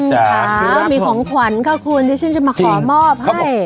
คุณคะมีของขวัญค่ะคุณที่ฉันจะมาขอมอบให้